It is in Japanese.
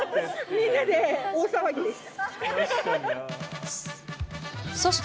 みんなで大騒ぎでした。